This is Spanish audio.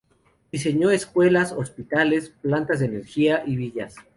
Diseñó escuelas, hospitales, plantas de energía y villas.